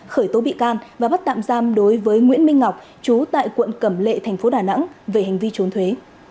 khởi tố bị can và bắt tạm giam đối với nguyễn minh ngọc trú tại quận cẩm lệ tp đà nẵng về hành vi trốn thuế